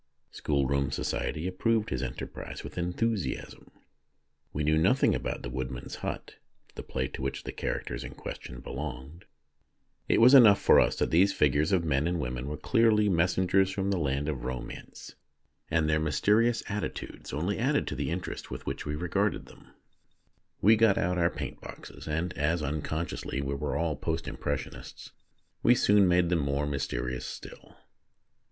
Schoolroom society approved his enterprise with enthu siasm. We knew nothing about " The Wood man's Hut," the play to which the characters in question belonged ; it was enough for us that these figures of men and women were clearly messengers from the Land of Romance, and their mysterious attitudes only added to the interest with which we regarded 41 42 THE DAY BEFORE YESTERDAY them. We got out our paint boxes, and, as unconsciously we were all Post Impression ists, we soon made them more mysterious still.